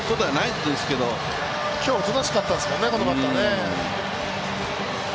今日おとなしかったですもんね、このバッターね。